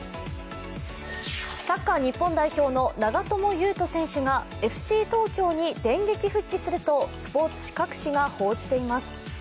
サッカー日本代表の長友佑都選手がＦＣ東京に電撃復帰すると、スポーツ紙、各紙が報じています。